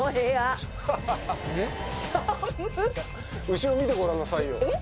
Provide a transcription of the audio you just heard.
後ろ見てごらんなさいよえっ？